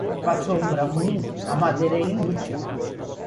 Faz sombra ruim, a madeira é inútil.